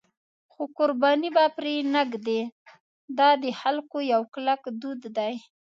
خو قرباني به پرې نه ږدي، دا د خلکو یو کلک دود دی.